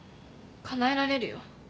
かなえられるよ。